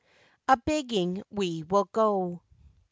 A BEGGING WE WILL GO.